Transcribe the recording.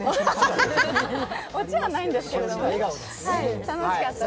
オチはないんですけれどもね、楽しかったです。